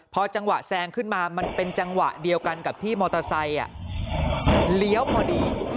พอจังหวะแซงขึ้นมามันเป็นจังหวะเดียวกันกับที่มอเตอร์ไซค์เลี้ยวพอดี